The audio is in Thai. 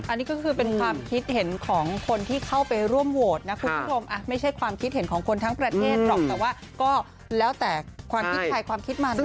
อันนี้ก็คือเป็นความคิดเห็นของคนที่เข้าไปร่วมโหวตนะคุณผู้ชมไม่ใช่ความคิดเห็นของคนทั้งประเทศหรอกแต่ว่าก็แล้วแต่ความคิดใครความคิดมันนะ